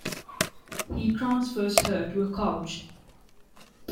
He transfers her to a couch.